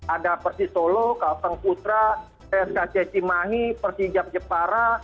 ada persisolo kalteng putra pskj cimahi persijak jepara